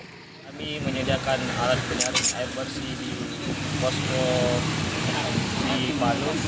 kami menyediakan alat penyaring air bersih di posko di palu